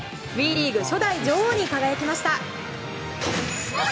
ＷＥリーグ初代女王に輝きました。